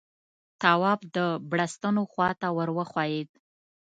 تواب د بړستنو خواته ور وښويېد.